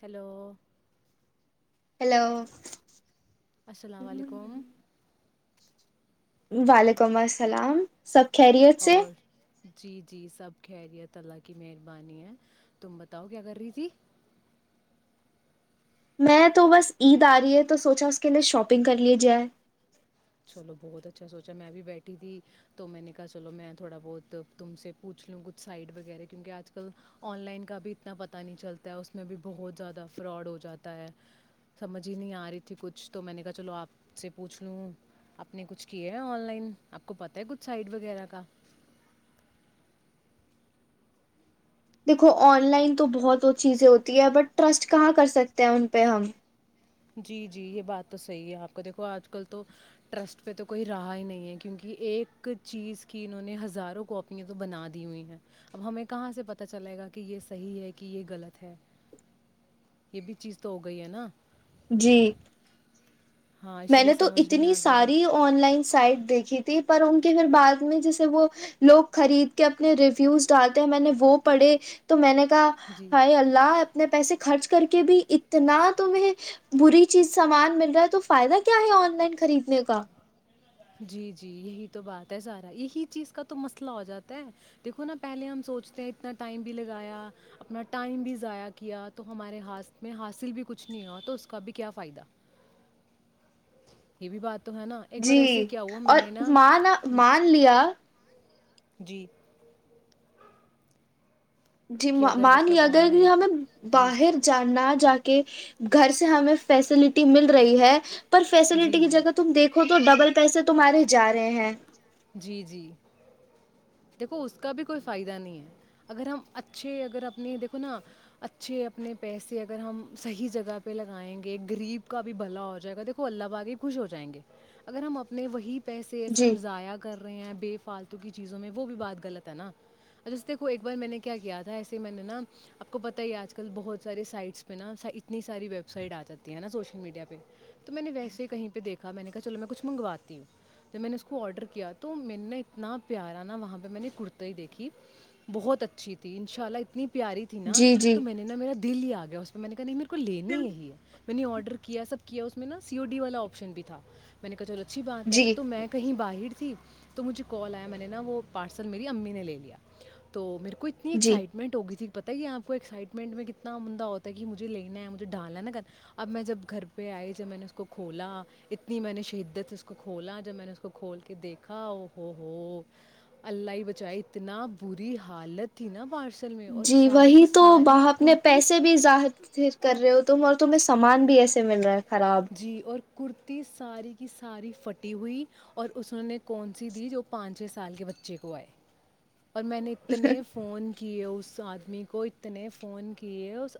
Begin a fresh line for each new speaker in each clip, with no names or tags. Hello
hello
السلام علیکم
وعلیکم السلام سب خری سے
اور جی جی سب خیریت تعیلہ کی مہربانی ہے تم بتاؤ کیا کر رہی تھی
میں تو بس عید آ رہی ہے تو سوچا اس کے لیئے شاپنگ کر ل جائے
چلو بہت اچھا سوچا میں بھی بیٹھی تھی تو میں نے کہا چلو میں تھوڑا بہت تم سے پوچھ لوں کچھ سائٹ وغیرہ کیونکہ آج کل آن لائن کا بھی اتنا پتاہ نہیں چلتا ہے اس میں بھی بہت زیادہ فراڈ ہو جاتا ہے سمجھ ہی نہیں آ رہی تھی کچھ تو میں نے کہا چلو آپ سے پوچھ لوں آپ نے کچھ کیے ہیں آن لائن آپ کو پتا ہے کچھ سائٹ وغیرہ کا
دیکھو آن لائن تو بہت وہ چیزیں ہوتی ہے بٹ ٹرسٹ کہاں کر سکتے ہیں ان پہ ہم
جی جی یہ بات تو صحیح ہے آپ کو دیکھو آج کل تو ٹرسٹ پہ تو کوئی رہا ہی نہیں ہے کیونکہ ایک چیز کی انہوں نے ہزاروں کاپیاں تو بنا دی ہوئی ہیں اب ہمیں کہاں سے پتا چلے گا کہ یہ صحیح ہے کہ یہ غلط ہے یہ بھی چیز تو ہو گئی ہے نا
جیپ
ہاں اسی
میں
لیے
نے تو
سمجھ نہیں
اتنی
آتا ہے
ساری
کب
آن لائن سائٹ دیکھی تھی پر ان کے پھر بع میں جیسے وہ لوگ خرید کے اپنے ریویوز ڈالتے ہیں میں نے وہ پڑھے تو میں نے
جی
ہائی اللہ اپنے پیسے خرچ کر کے بھی اتنا تمہیں بری چیز سامان مل رہا ہے تو فائدہ کیا ہے آن لائن خریدنے کا
جی جی یہی تو بات ہے سارا یہی چیز کا تو مسئلہ ہو جاتا ہے دیکھو نا پہلے ہم سوچتے ہیں اتنا ٹائم بھی لگایا اپنا ٹائم بھی ضائع کیا تو ہمارے ہاتھ میں حاصل بھی کچھ نہیں ہوا تو اس کا بھی کیا فائدہ یہ بھی بات تو ہے نا ایک بار
جی
ایسے کیا ہوا میں
اور
نے نا
مانا مان لیا
جی
جی
کہ اگر
مان ل
مطلب
ا
آن
گگر کہ
لائن
ہمیں
جی
باہر جانا جا کے گھر سے ہمیں فیسلٹی مل رہی ہے [unintelligible] فیسلٹی
جی
کی
جی
جگہ تم دیکھو تو ڈبل [unintelligible] کیسے تمہارے جا رہے ہیں [unintelligible]
جی جی دیکھو اس کا بھی کوئی فائدہ نہیں ہے اگر ہم اچھے اگر اپنے دیکھو نا اچھے اپنے پیسے اگر ہم صحیح جگہ پہ لگائیں گے غریب کا بھی بھلا ہو جائے گا دیکھو اللہ باگے خوش ہو جائیں گے اگر ہم اپنے وہی [unintelligible] پیسے ایسے
جی
ہمضیاق [unintelligible] ے فتویز میں ہے بارےا آپ کو پ ہی آج کل بہت س سائ پہا ا ساری ویب سائ جاتی ہے نا سول میڈیا پہ تو میں ویسے کہیں پہ دیکھا میں نےا کچھ منگواتی ہوں میں نےڈر کیا [unintelligible] تو میں نے اتنا پیارا نا وہاں پہ میں نے کرتا ہی دیکھی بہت اچھی تھی ان شاء اللہ اتنی [unintelligible] پیاری تھی نا
جی جی
تو میں نے نا میرا دل ہی آ گیا اس میں [unintelligible] تو میں نے کہ نہیں [unintelligible] کو لینی یہی ہے [unintelligible] میں نے آرڈر کیا سب کیا اس میں نا سی او ڈی والا آپشن بھی تھا میں نے کہا چلو [unintelligible] اچھی بات ہے
جی
تو میں کہیں باہر [unintelligible] ت [unintelligible] تو مجھے کال آیا میں نے نا وہ پارسل میری امی نے لے لیا تو میرے کو کوئی اتنی
جی
ایکسائٹمنٹ ہو گئی تھی [unintelligible] پتہ ہی ہے آپ کو ایکسائٹمنٹ میں کتنا عنددہ ہوتا ہے کہ مجھے لینا ہے مجھے ڈالنا نا کر اب میں جب گھر پہ آئی جب میں نے اس کو کھولا اتنی میں نے شہدت سے اس کو کھولا جب میں نے اس کو کھول کے دیکھا او ہو ہو الائی بچائے اتنا بری حالت تھی نا [unintelligible]
جی
ساری کی
وہی تو ب
ساری
اپنے
کرتی
پیسے بھی ظاہر کر رہے ہو تم اور تہیں سامان بھی ایسے مل رہا ہے [unintelligible]
جی اور [unintelligible] [unintelligible] اور میں نے اتنے فون کیئے اس آدمی کو اتنے فون کیے اس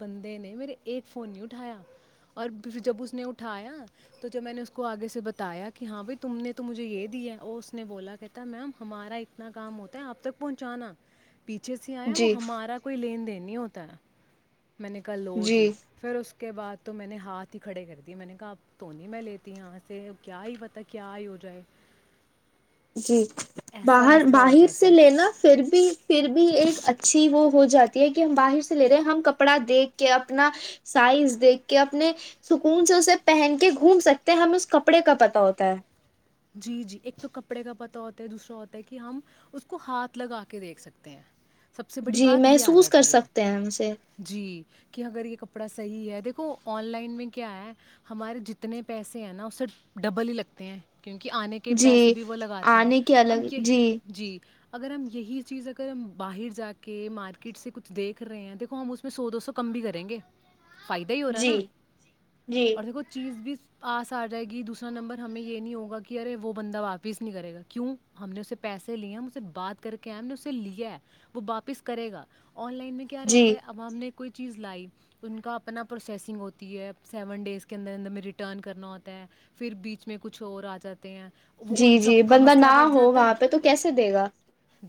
بندے نے میرے ایک فون نہیں اٹھایا [unintelligible] اور جب اس نے اٹھایا تو جب میں نے اس کو آگے سے بتایا کہ ہاں بھائی تم نے تو مجھے یہ دیا ہے اور اس نے بولا کہتا میم ہمارا اتنا کام ہوتا ہے آپ تک پہنچانا [unintelligible] پیچھے سے آیا
جی
وہ ہمارا کوئی لین دین [unintelligible] نہیں ہوتا ناتم [unintelligible] میں نے کہ لو جی پھر اس [unintelligible] کے بعد تو میں نے [unintelligible] ہاتھ ہی کھڑے کر دی میں نے کہا تو نہیں میں لیتی یہاں سے کیا ہی پتا کیا ہی ہو جائے [unintelligible]
جی
ایسا
باہر
مسئلہ ہو
باہر
جاتا
سے
ہے
لینا پھر بھی پھر بھی ایک اچ اچھی وہ ہو جاتی ہے کہ ہم باہر سے لے رہے ہیں ہم کپڑا دیکھ کے اپنا سائز دیکھ کے اپنے سکون سے اسے پہن کے گھوم سکتے ہیں ہمیں اس کپڑے کا پت ہوتا ہے [unintelligible]
جی جی ایک تو کپڑے کا پتا ہوتا ہے دوسرا ہوتا ہے کہ ہم اس کو ہاتھ لگا کے دیکھ سکتے ہیں سب سے بڑی
جی
بات یہ آ
محسوس کر
جاتی ہے
سکتے ہیں ہم اسے
جی کہ اگر یہ ک [unintelligible] کپڑا صحیح ہے دیکھو آن لائن میں کیا ہے ہمارے جتنے پیسے ہیں نا اسے ڈبل ہی لگتے ہیں [unintelligible] کیونکہ آنے کے پیسے
جی
بھی وہ لگاتے ہیں
آنے کے
اب
الگ
یہی
جی
جی [unintelligible] اگر ہم یہی چیز اگر ہم باہر جا کے مارکیٹ سے کچھ دیکھ رہے ہیں دیکھو ہم اس میں سو دو سو کم بھی کریں گے فائدہ ہی ہو رہا ہے
جی
نا
جی
اور دیکھو چیز بھی آس آ جائے گی دوسرا نمبر ہمیں یہ نہیں ہوگا ارے وہ بندہ واپس نہیں کرے گا کیوں ہم نے اسے پیسے لے ہمے بات کر کے ہم نے اسے لیا وہ واپس کرے گا آن لائن میں کیا
جی
رہتا ہے عوام نے کوئی چیز لائی ان کا اپنا پروسیسنگ ہوتی ہے سیون ڈیز کے اندر اندر میں ریٹرن کرنا ہوتا ہے پھر بیچ میں کچھ اور آتا سات ہیں وہ ان
جی جی
سب کا
بندہ
مسئلہ
نہ
بڑھ
ہو
جاتا ہے
وہاں پہ تو کیسے دے گا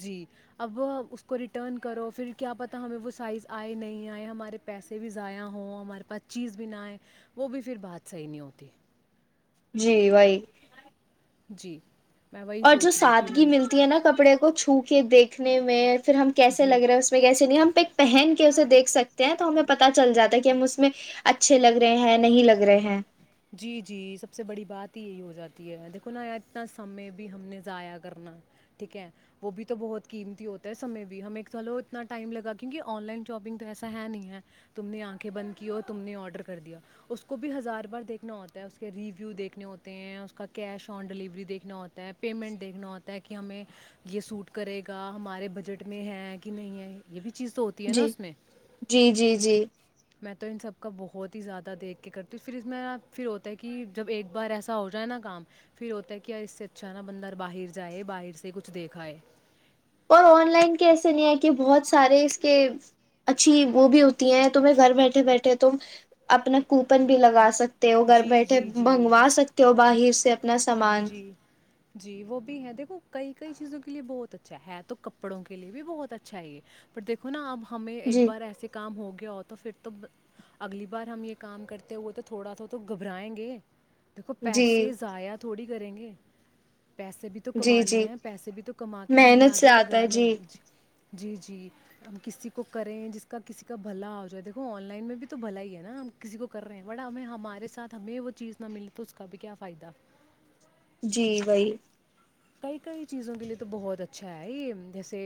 جی اب اس کو ریٹرن کرو پھر کیا پتاہ ہمیں وہ سائز آئے نہیں آئے ہمارے پیسے بھی ضائع ہوں ہمارے پاس چیز بھی نہ آئے وہ بھی پھر بات صحیح نہیں ہوتی
جی وہی
جی میں وہی
اور جو
سوچ رہی تھی میں
سادگی
نے
ملتی ہے نا کپڑے کو چھوپ کے دیکھنے میں پھر ہم کیسے
جی
لگ رہے اس میں کیسے نہیں ہم پ ایک پہن کے اسے دیکھ سکتے ہیں تو ہمیں پت چل جاتا ہے کہ ہم اس میں اچھے لگ رہے ہیں نہیں لگ رہے ہیں
جی جی سب سے بڑی بات ہی یہی ہو جاتی ہے دیکھو نا اتنا سمے بھی ہم نے ضائع کرنا ٹھیک ہے وہ بھی تو بہت قیمتی ہوتا ہے سمے بھی ہمیں چ لو اتنا ٹائم لگا کیونکہ آن لائن شاپنگ تو ایسا ہے نہیں ہے تم نے آنکھیں بند کی اور تم نے آڈر کر دیا اس کو بھی ہزار بار دیکھ دیک ہوتا ہے ریویو دیکھنے ہوتے ہیں کا کیش آن ڈلیوری دیکھنا ہوتا ہے پیمنٹ دیکھنا ہوتا ہے کہ ہمیں یہ سوٹ کرے گا ہمارے بجٹ میں ہے کہ نہیں ہے یہ بھی چیز تو ہوتی ہے نا
جی
اس میں
جی جی جی
میں تو ان سب کا بہت ہی زیادہ دیکھ کے کرتی ہوں پھر اس میںپ پھر ہوتا ہے کہ جب ایک بار ایسا ہو جائے نا کام پھر ہوتا ہے کہ یار اس سے اچھا ہے نا بندر باہر جائے باہر سے کچھ دیکھاائے
اور آن لائن کے ایسے نہیں ہے کہ بہت سارے اس کے اچھی وہ بھی ہوتی ہیں تمہیں گھر بیٹھے بیٹھے تم اپنا کوپن بھی لگا سکتے ت وہ گھر
جی
بیٹھے
جی جی
منگوا سکتے ہو باہر سے اپنا سامان
جی جی وہ بھی ہے دیکھو کئی کئی چیزوں کے لیے بہت اچھا ہے تو کپڑوں کے لیے بھی بہت اچھا ہے یہ پر دیکو نا اب ہمیں ایک
جی
بار ایسے کام ہو گیا ہو تو پھر تو اگلی بار ہم یہ کام کرتے ہوئے تو تھوڑا سا تو گھبرائیں گے دیکھو
جی
پیسے زضیاد تھوڑی کریں گے پیسے بھی تو
جی
کمانے
جی
ہیں پیسے بھی تو کما کے ہم نے
محنت سے
آگے
آتا ہے
لگانے ہیں
جی
ج جی جی ہم کسی کو کریں جس کا کسی کا بھلا ہو جائے دیکو آن لائن میں بھی تو بھلا ہی ہے نا ہم کسی کو کر رہے ہیں بٹ ہمیں ہمارے ساتھ ہمیں وہ چیز نہ ملے تو اس کا بھی کیا فائدہ
جی وہی
کئی کئی چیزوں کے لیے تو بہت اچھا ہے جیسے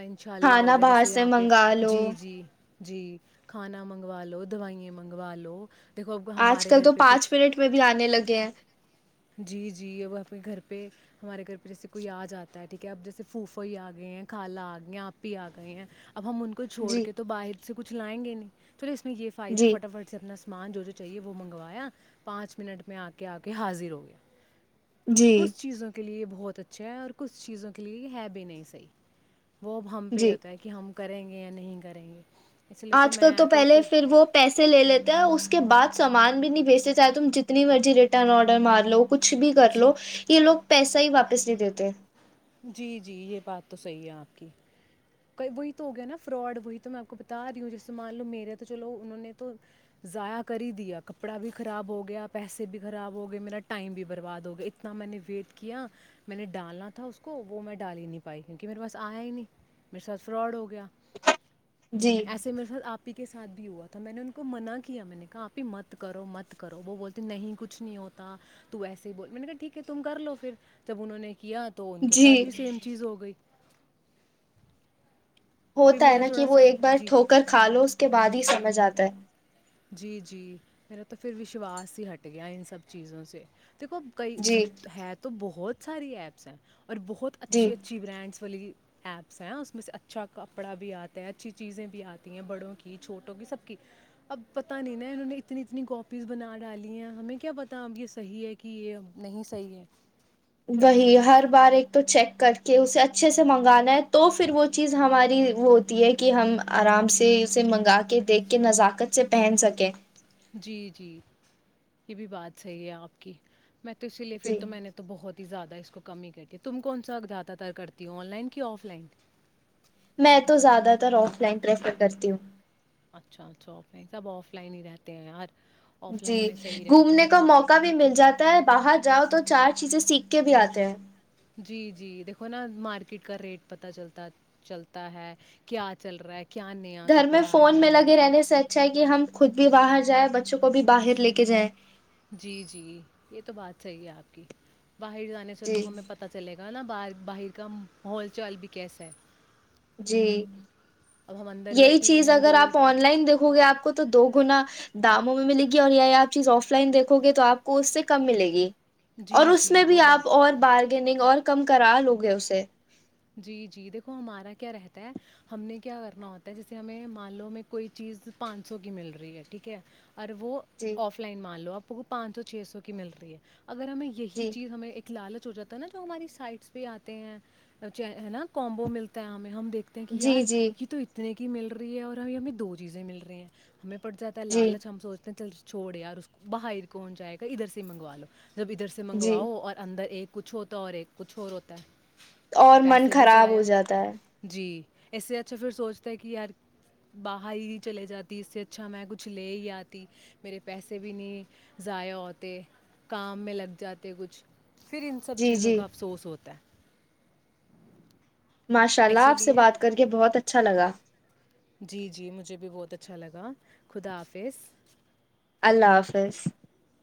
انشاء اللہ ہو
کھانا
گیا
باہر
جیسے
سے
یہاں پہ
منگا لو
جی جی جی کھانا من منگوا لو دووائییں منگوا لو دیکھو اب
آج
ہمارے
کل
گھر
تو
پہ
پانچ
کچھ
منٹ میں بھی آنے لگے ہیں
جی جی اب اپنے گھر پہ ہمارے گھر پہ جیسے کوئی آ جاتا ہے ٹھیک ہے اب جیسے پھوفا ہی آ گئے ہیں کالا آ گئے ہیں آپ ہی آ گئے ہیں اب ہم ان کو چھوڑ
جی
کے تو باہر سے کچھ لائیں گے نہیں [unintelligible] چلو اس میں یہ فائدہ
جی
فٹا فٹ سے اپنا سامان جو چاہیے وہ منگوایا پانچ منٹ میں آ کے آ کے حاضر ہو گا [inaudible]
جی
کس چیزوں [unintelligible] کے لیے بہت اچھا ہے اور کچھ چیزوں کے لیے ہے بھی نہیں صحی وہ اب ہم پہ یہ
جی
ہوتا ہے کہ ہم کریں گے یا نہیں کریں گے
آج کل تو پہلے پھر وہ پیسے لے لیتے ہیں اس کے بعد س سامان بھی نہیں بھیچتے چاہے تم جتنی مرضی ریٹرن آرڈر مار لو کچھ بھی کر
جی
لو یہ لوگ پیسہ ہی واپس نہیں دیتے
جی جی یہ بات تو صحیح ہے آپ کی وہی تو ہو گیا نا فراڈ وہی تو میں آپ کو بتا رہی ہوں جیس مان لو میرے تو چلو انہوں نے تو ضائع کر ہی دیا کپڑا بھی خراب ہو گیا پیسے بھی خراب ہو گئے میرا ٹائم بھی برباد ہو گیا اتنا میں نے ویٹ کیا میں نے ڈالا تھا کو وہ میں ڈال ہی نہیں پائی کیونکہ میرے پاس آیا ہی نہیں میرے ساتھ فراڈ ہو گیا
جی
ایسے میرے ساتھ آپ [unintelligible] آپی کے ساتھ بھی ہوا تھا میں نے ان کو منع کیا میں نے کہا آپ ہی مت کرو مت کرو وہ بولتے نہیں کچھ نہیں ہوتا تو ایسے ہی بول میں نے کہا ٹھیک ہے تم کر لو پھر جب انہوں نے کیا تو ان کے
جی
ساتھ بھی سیم چیز ہو گئی پھر
ہوتا ہے
میرا
نا کہ
تھوڑا
وہ
سا
ایک بار
جی
ٹھو کر کھا لو اس کے بعد ہی سب مزہ آتا ہے
جی جی میرا تو پھر وشواس ہی ہٹ گیا ان سب چیزوں سے دیکھو کئی
جی
سب ہے تو بہت بہت ساری ایپس ہیں اور بہت
جی
اچھی اچھی برانڈس والی ایپس ہیں اس میں سے اچھا کپڑا بھی آتا ہے اچھی چیزیں بھی آتی ہیں بڑوں کی چھوٹوں کی سب کی اب پتا نہیں نا انہوں نے اتنی اتنی کاپیز بنا ڈالی ہیں ہمیں کیا پتا اب یہ صحیح ہے کہ یہ نہیں صحیح ہے
وہی ہر بار ایک تو چیک کر کے اسے اچھے سے منگانا ہے تو پھر وہ چیز ہماری ہوتی ہے کہ ہم آرام سے اسے منگا کے دیکھ کے نزاکت سے پہن سکیں
جی جی یہ بھی بات صحیح ہے آپ کی میں تو اس لیے پھر
جی
تو میں نے تو بہت زیادہ ہے اس کو کمی ہی کر کے تم کون سا زیادہ تر کرتی ہو آن لائن کہ آف لائن
میں تو زیادہ تر آف لائن پریفر کرتی ہوں
اچھا اچھا آف لائن سب آف لائن ہی رہتے ہیں یار آف لائن
جی
میں صحیح رہتا ہے
گھومنے کا موقع بھی مل جاتا ہے باہر جاؤ تو چار چیزیں سیکھ کے بھی آتے ہیں
جی جی دیکھو نا مارکیٹ کا ریٹ پتا چلتا چلتا ہے کیا چل رہا ہے کیا نیا
گھر میں
کپڑا
فون
آیا
میں
ہے
لگے رہنے سے اچھا ہے کہ ہم خود بھی باہر جائ بچوں کو بھی باہر لے کے جائیں
جی جی یہ تو بات صحیح ہے آپ کی باہر جانے سے
جی
تو ہمیں پتتا چلے گا ا نا باہر باہر کا مول چال بھی کیسا ہے
جی
اب ہم اندر
یہی
بیٹھے
چیز
رہیں
اگر
گے
آپ آن لائن دیکھو گے آپ کو تو دو گنا داموں میں ملے گی اور یا آپ چیز آف لائن دیکھو گے تو آپ کو اس سے کم ملے گی اور
جی
اس
جی
میں بھی
وہ
آپ
بات
اور بارگیننگ اور کم کرا لوگے اسے
جی جی دیکھو ہمارا کیا رہتا ہے ہم نے کیا کرنا ہوتا ہے جیسے ہمیں مان لو میں کوئی چیز پانچ سو کی مل رہی ہے ٹھیک ہے اور وہ
جی
آف لائن مان لو آپ آ کو پانچ سو چھ سو کی مل رہی ہے اگر ہمیں یہی
جی
چیز ہمیں ایک لالچ ہو جاتا ہے نا جو ہماری سائٹس پہ آتے ہیں ہے نا کومبو ملتا ہے ہمیں ہم دیکھتے ہیں کہ
جی
یار
جی
یہ تو اتنے کے مل رہی ہے اور ہم ہمیں دو چیزیں مل رہی ہیں ہمیں پڑ جاتا ہے
جی
لالچ ہم سوچ چل چھوڑے یار باہر کون جائے گا ادھر سے ہی منگوا لو جب ادھر سے
جی
منگواؤ اور اندر ایک کچھ ہوتا اور ایک کچھ اور ہوتا ہے
اور من
پیسے بھی
خراب ہو
ضائع۔
جاتا ہے
جی، اس سے اچھا پھر سوچتا ہے کہ یار باہر ہی نہیں چلے جاتی اس سے اچھا میں کچھ لے ہی آتی میرے پیسے بھی نہیں ضائع ہوتے کام میں لگ جاتے کچھ [unintelligible] پھر ان سب
جی
چیزوں
جی
کا افسوس ہوتا ہے [unintelligible]
ماشاء اللہ
اسی
آپ سے
لیے
بات کر کے بہت اچھا لگا [unintelligible]
جی جی مجھے بھی بہت اچھا لگا خدا حافظ [unintelligible]
اللہ حافظ [unintelligible]